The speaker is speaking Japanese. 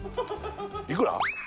いくら？